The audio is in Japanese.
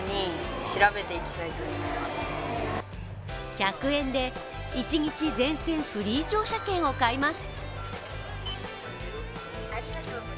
１００円で一日全線フリー乗車券を買います。